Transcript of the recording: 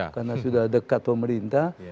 karena sudah dekat pemerintah